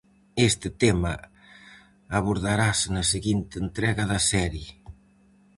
Este tema abordarase na seguinte entrega da serie.